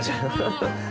ハハハッ。